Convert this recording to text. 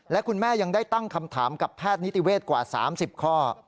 และคุณแม่ยังได้ตั้งคำถามกับแพทย์นิติเวศกว่า๓๐ข้อ